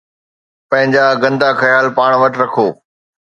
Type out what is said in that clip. پنهنجا گندا خيال پاڻ وٽ رکو